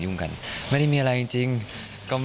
หนึ่งไม่ได้มีอะไรจริงก็